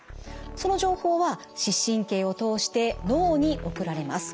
その情報は視神経を通して脳に送られます。